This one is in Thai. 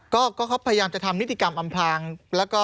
ก็เขาพยายามจะทำนิติกรรมอำพลางแล้วก็